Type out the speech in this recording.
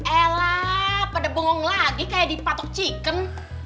elah pada bongong lagi kayak di patok chicken